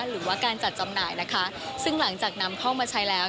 หรือว่าการจัดจำหน่ายนะคะซึ่งหลังจากนำเข้ามาใช้แล้ว